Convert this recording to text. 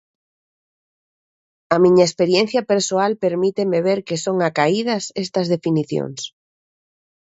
A miña experiencia persoal permíteme ver que son acaídas estas definicións.